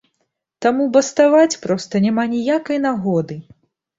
Таму баставаць проста няма ніякай нагоды!